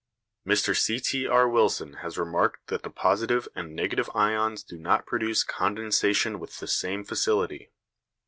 Mr C.T.R. Wilson has remarked that the positive and negative ions do not produce condensation with the same facility.